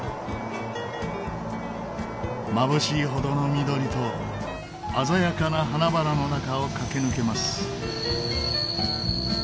まぶしいほどの緑と鮮やかな花々の中を駆け抜けます。